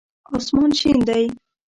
اسمان شین دی